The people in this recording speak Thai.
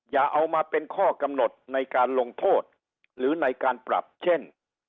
อย่าเอามาเป็นข้อกำหนดในการลงโทษหรือในการปรับเช่น